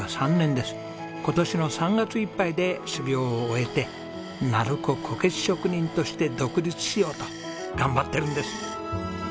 今年の３月いっぱいで修業を終えて鳴子こけし職人として独立しようと頑張ってるんです。